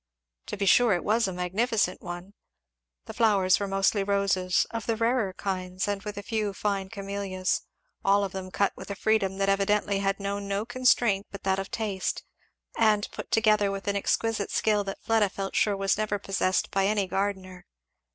To be sure it was a magnificent one. The flowers were mostly roses, of the rarer kinds, with a very few fine Camellias; all of them cut with a freedom that evidently had known no constraint but that of taste, and put together with an exquisite skill that Fleda felt sure was never possessed by any gardener.